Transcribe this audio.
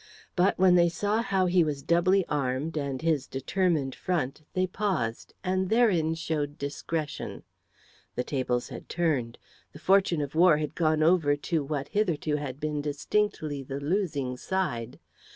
But when they saw how he was doubly armed and his determined front they paused and therein showed discretion. The tables had turned. The fortune of war had gone over to what hitherto had been distinctly the losing side.